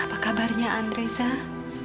apa kabarnya andre zah